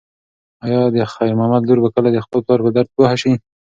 ایا د خیر محمد لور به کله د خپل پلار په درد پوه شي؟